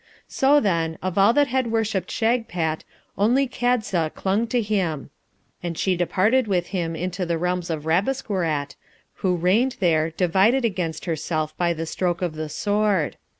So, then, of all that had worshipped Shagpat, only Kadza clung to him, and she departed with him into the realms of Rabesqurat, who reigned there, divided against herself by the stroke of the Sword.